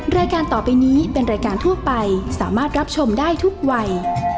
รายการต่อไปนี้เป็นรายการทั่วไปสามารถรับชมได้ทุกวัย